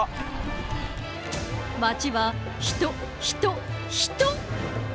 街は人、人、人。